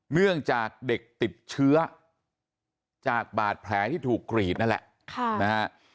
เนื่องจากเด็กติดเชื้อจากบาดแผลที่ถูกกรีดนั่นแหละนะฮะ